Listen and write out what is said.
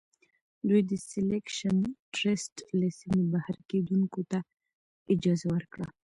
دوی د سیلکشن ټرست له سیمې بهر کیندونکو ته اجازه ورکړه.